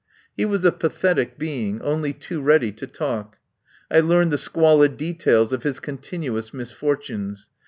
He was a pathetic being, only too ready to talk. I learned the squalid details of his con tinuous misfortunes.